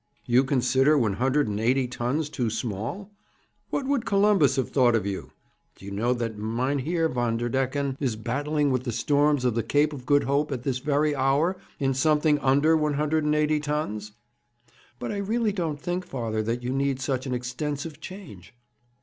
'You consider one hundred and eighty tons too small? What would Columbus have thought of you? Do you know that Mynheer Vanderdecken is battling with the storms of the Cape of Good Hope at this very hour in something under one hundred and eighty tons?' 'But I really don't think, father, that you need such an extensive change.'